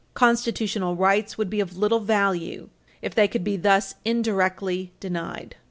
Constitutional rights would be of little value if they could be thus indirectly denied.